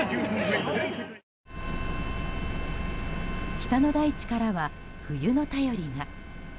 北の大地からは冬の便りが。